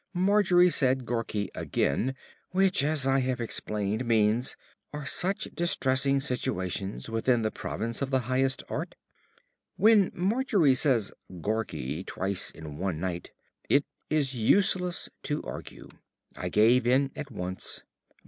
Margery said "Gorky" again, which, as I have explained, means, "Are such distressing situations within the province of the Highest Art?" When Margery says "Gorky" twice in one night, it is useless to argue. I gave in at once.